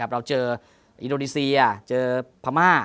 เราเจออิโรดิเซียเจอพรรมา